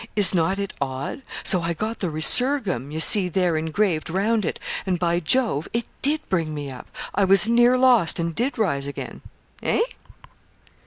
Is not it odd? So I got the "resurgam" you see there engraved round it, and by Jove! it did bring me up. I was near lost, and did rise again. Eh?'